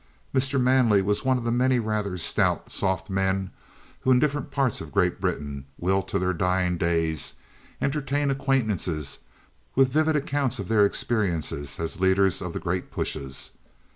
Mr. Manley was one of the many rather stout, soft men who in different parts of Great Britain will till their dying days entertain acquaintances with vivid accounts of their experiences as leaders of the Great Pushes.